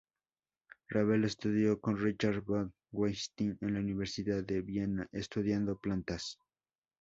Rabel estudió con Richard von Wettstein en la Universidad de Viena, estudiando plantas.